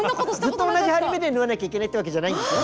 ずっと同じ針目で縫わなきゃいけないってわけじゃないんですよ。